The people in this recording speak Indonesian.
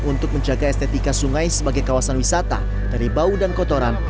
untuk menjaga estetika sungai sebagai kawasan wisata dari bau dan kotoran